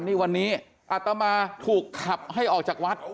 นี่วันนี้อัตมาถูกขับให้ออกจากวัด